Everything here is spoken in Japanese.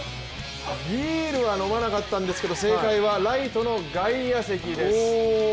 ビールは飲まなかったんですけど正解はライトの外野席です。